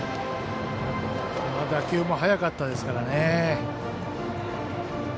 打球も速かったですからね。